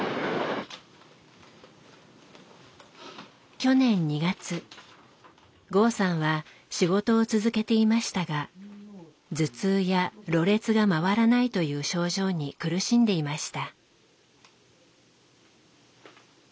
去年２月剛さんは仕事を続けていましたが頭痛やろれつが回らないという症状に苦しんでいました。